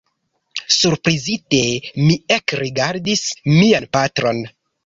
Surprizite mi ekrigardis mian patron.